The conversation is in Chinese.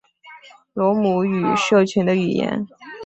罗姆语社群的语言。